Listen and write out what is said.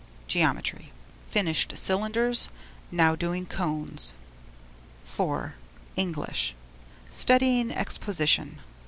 Geometry: Finished cylinders; now doing cones. IV. English: Studying exposition.